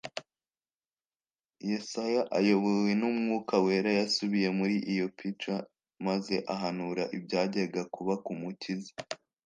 Yesaya ayobowe n'Umwuka wera yasubiye muri iyo pica maze ahanura ibyajyaga kuba ku Mukiza,